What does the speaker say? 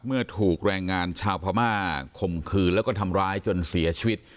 ถูกแรงงานชาวพม่าข่มขืนแล้วก็ทำร้ายจนเสียชีวิต